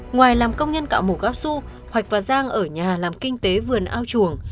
ngoài làm công nhân cạo mù cao su hoạch và giang ở nhà làm kinh tế vườn ao chuồng